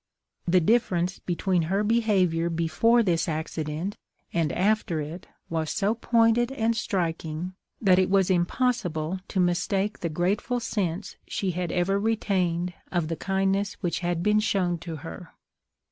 The difference between her behaviour before this accident and after it was so pointed and striking, that it was impossible to mistake the grateful sense she had ever retained of the kindness which had been shown to her."